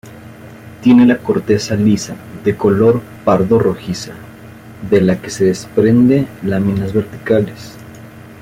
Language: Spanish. Tiene la corteza lisa de color pardo-rojiza de la que se desprende láminas verticales.